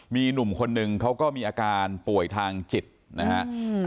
มีหนุ่มคนนึงเขาก็มีอาการป่วยทางจิตนะฮะ